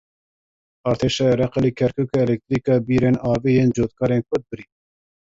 Artêşa Iraqê li Kerkûkê elektrîka bîrên avê yên cotkarên Kurd birî.